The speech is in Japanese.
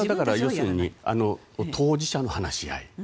それは当事者の話し合い。